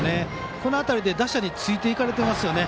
この辺りで打者についていかれていますよね。